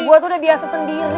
gue tuh udah biasa sendiri